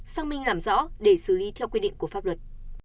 xác minh làm rõ để xử lý theo quy định của pháp luật